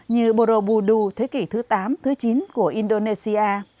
như borobudu thế kỷ thứ tám thứ chín của indonesia